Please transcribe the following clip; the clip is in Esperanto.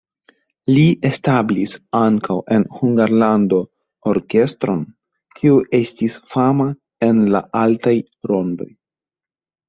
Li establis ankaŭ en Hungarlando orkestron, kiu estis fama en la altaj rondoj.